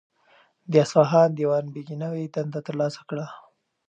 د اصفهان دیوان بیګي نوی دنده ترلاسه کړه.